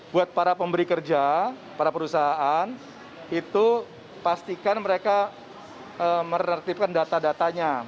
buat para pemberi kerja para perusahaan itu pastikan mereka menertibkan data datanya